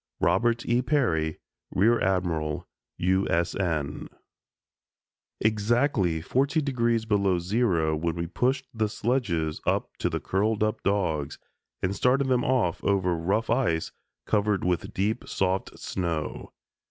"Robert E. Peary, Rear Admiral, U. S. N." Exactly 40° below zero when we pushed the sledges up to the curled up dogs and started them off over rough ice covered with deep soft snow.